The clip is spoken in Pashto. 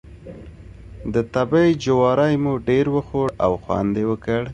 د تبۍ جواری مو ډېر وخوړ او خوند یې وکړ.